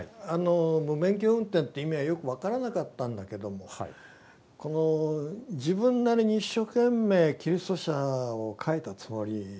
無免許運転って意味はよく分からなかったんだけどもこの自分なりに一生懸命キリスト者を書いたつもり。